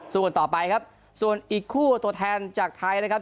กันต่อไปครับส่วนอีกคู่ตัวแทนจากไทยนะครับ